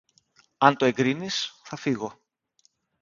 αν το εγκρίνεις, θα φύγω.